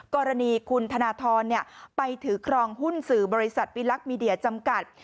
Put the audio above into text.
กรณีคุณธนทรไปถือครองหุ้นสื่อบริษัทวิลักษณ์มีเดียจำกัด